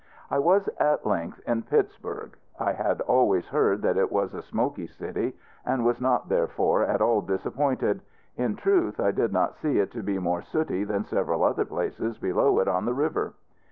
I was at length in Pittsburg. I had always heard that it was a smoky city, and was not, therefore, at all disappointed. In truth, I did not see it to be more sooty than several other places below it on the river.